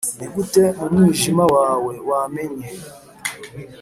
nigute, mu mwijima wawe, wamenye?